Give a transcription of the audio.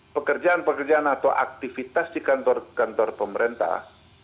pekerjaan pekerjaan atau aktivitas di kantor kantor pemerintah